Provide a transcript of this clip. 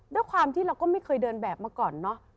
ด้วยความที่เราก็ไม่เคยเดินแบบมาก่อนเนอะ